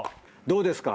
どうですか？